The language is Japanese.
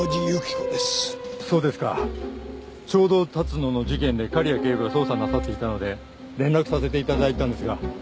ちょうど龍野の事件で狩矢警部が捜査なさっていたので連絡させていただいたんですが。